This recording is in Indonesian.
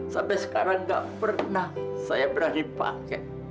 sampai sekarang nggak pernah saya berani pake